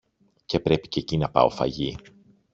και πρέπει κι εκεί να πάω φαγί